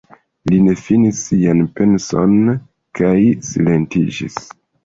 Li ne finis sian penson kaj silentiĝis.